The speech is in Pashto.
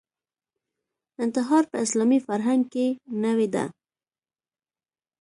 انتحار په اسلامي فرهنګ کې نوې ده